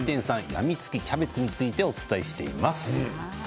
やみつきキャベツについてお伝えしています。